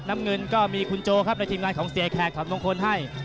น้ำเงินก็มีคุณโจครับและทีมงานของเสียแขกถอดมงคลให้